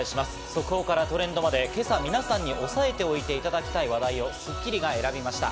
速報からトレンドまで、今朝皆さんに押さえておいていただきたい話題を『スッキリ』が選びました。